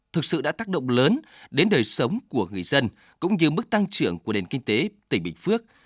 thực sự đã tác động lớn đến đời sống của người dân cũng như mức tăng trưởng của nền kinh tế tỉnh bình phước